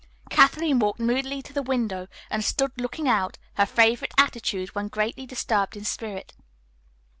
Kathleen walked moodily to the window and stood looking out, her favorite attitude when greatly disturbed in spirit.